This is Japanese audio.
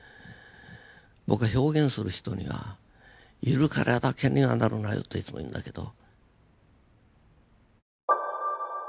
僕は表現する人には「ゆるキャラだけにはなるなよ」っていつも言うんだけど。